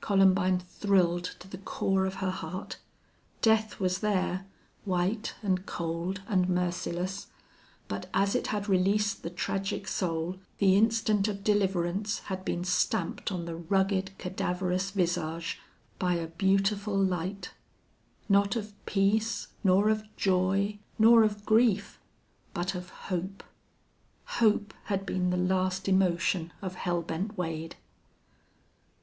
Columbine thrilled to the core of her heart. Death was there, white and cold and merciless, but as it had released the tragic soul, the instant of deliverance had been stamped on the rugged, cadaverous visage, by a beautiful light; not of peace, nor of joy, nor of grief, but of hope! Hope had been the last emotion of Hell Bent Wade.